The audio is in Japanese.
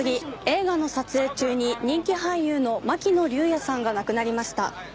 映画の撮影中に人気俳優の巻乃竜也さんが亡くなりました。